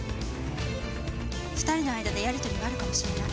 ２人の間でやりとりがあるかもしれない。